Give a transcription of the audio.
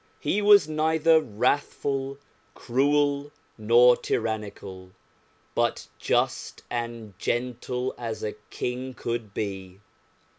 He was neither wrathful, cruel, nor tyrannical, but just and gentle as a king could be.